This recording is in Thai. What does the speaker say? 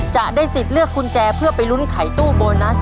จะได้สิทธิ์เลือกกุญแจเพื่อไปลุ้นไขตู้โบนัส